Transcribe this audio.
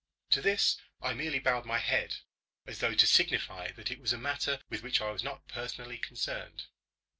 To this I merely bowed my head, as though to signify that it was a matter with which I was not personally concerned.